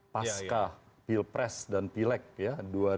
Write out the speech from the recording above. pasca pilpres dan pilek ya dua ribu sembilan belas